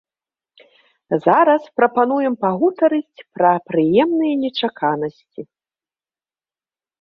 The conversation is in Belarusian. Зараз прапануем пагутарыць пра прыемныя нечаканасці!